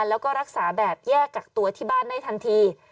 แล้วก็รักษาแบบแยกกักตัวที่บ้านได้ทันที